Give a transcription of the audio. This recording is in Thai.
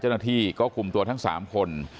เจ้าหน้าที่ก็คุมตัวทั้ง๓คน